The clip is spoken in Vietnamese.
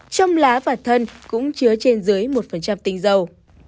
trong lá và thân cũng chứa trên dưới một tinh dầu